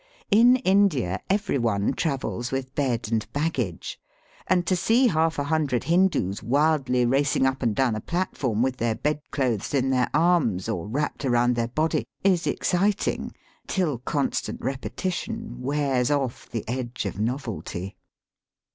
In India every one travels with bed and baggage, and to see half a hundred Hindoos wildly racing up and down a platform with their bedclothes in their arms or wrapped around their body is exciting, till constant repetition wears off the edge of novelty.